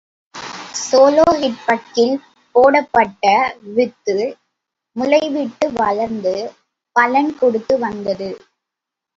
ஸோலோஹெட்பக்கில் போடப்பட்ட வித்து முளைவிட்டு வளர்ந்து பலன் கொடுத்து வந்தது.